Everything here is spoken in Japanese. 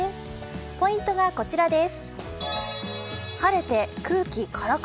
ポイントはこちらです。